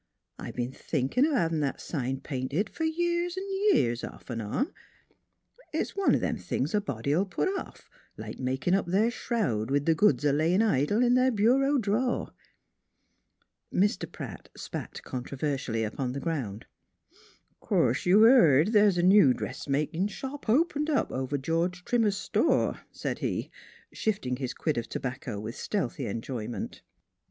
I b'en thinkin' o' havin' that sign painted f'r years V years, off V on. It's one o' them things a body '11 put off 2 NEIGHBORS like makin' up their shroud, with the goods a layin' idle in their bureau draw'." Mr. Pratt spat controversially upon the ground. " 'Course you've heared th's a new dressmakin' shop opened up over George Trimmer's store," said he, shifting his quid of tobacco with stealthy enjoyment.